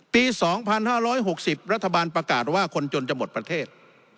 ปี๒๕๖๐รัฐบาลประกาศว่าคนจนจะหมดประเทศ